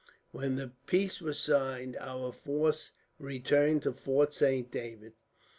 "When the peace was signed, our force returned to Fort Saint David.